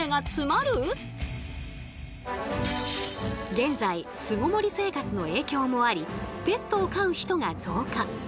現在巣ごもり生活の影響もありペットを飼う人が増加。